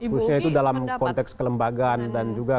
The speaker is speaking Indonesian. khususnya itu dalam konteks kelembagaan dan juga